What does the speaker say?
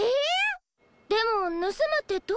でもぬすむってどうやって？